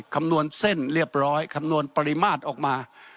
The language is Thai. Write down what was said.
คำนวณเส้นเรียบร้อยคำนวณปริมาตรออกมา